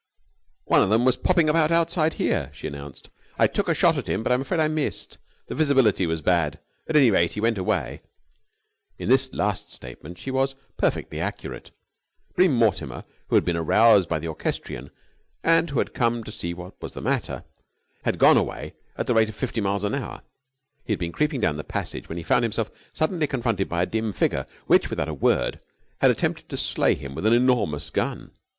"One of them was popping about outside here," she announced. "I took a shot at him, but I'm afraid I missed. The visibility was bad. At any rate he went away." In this last statement she was perfectly accurate. Bream Mortimer, who had been aroused by the orchestrion and who had come out to see what was the matter, had gone away at the rate of fifty miles an hour. He had been creeping down the passage when he found himself suddenly confronted by a dim figure which, without a word, had attempted to slay him with an enormous gun.